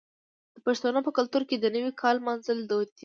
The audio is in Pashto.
د پښتنو په کلتور کې د نوي کال لمانځل دود دی.